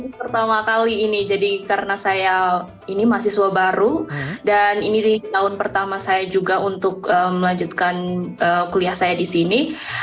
ini pertama kali ini jadi karena saya ini mahasiswa baru dan ini tahun pertama saya juga untuk melanjutkan kuliah saya di sini